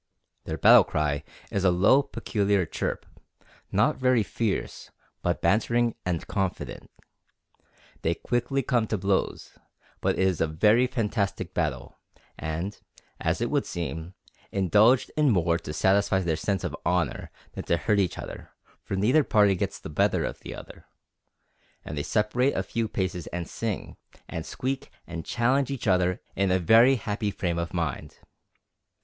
Their battle cry is a low, peculiar chirp, not very fierce, but bantering and confident. They quickly come to blows, but it is a very fantastic battle, and, as it would seem, indulged in more to satisfy their sense of honor than to hurt each other, for neither party gets the better of the other, and they separate a few paces and sing, and squeak, and challenge each other in a very happy frame of mind.